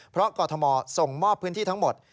เพราะกรทมส่งมอบพื้นที่ทั้งหมด